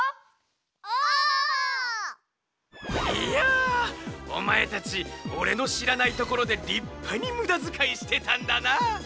いやおまえたちおれのしらないところでりっぱにむだづかいしてたんだな。